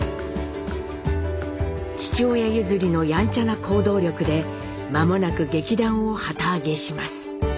父親譲りのやんちゃな行動力で間もなく劇団を旗揚げします。